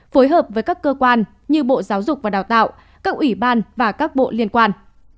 phối hợp với các cơ quan như bộ giáo dục và đào tạo các ủy ban và các bộ liên quan